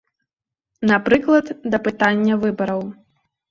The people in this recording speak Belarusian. Напрыклад, да пытання выбараў.